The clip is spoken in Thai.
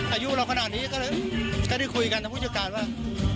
อายุเราขนาดนี้ก็ได้คุยกันทางผู้จัดการว่า